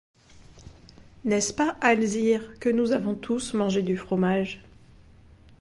N'est-ce pas, Alzire, que nous avons tous mangé du fromage?